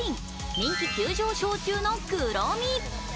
人気急上昇中のクロミ。